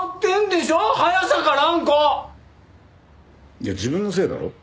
いや自分のせいだろ。